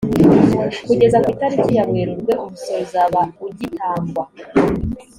kugeza ku itariki ya werurwe umusoro uzaba ujyitangwa.